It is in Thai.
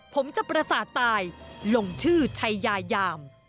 ผมจะประสาทตายลงชื่อชัยยายาม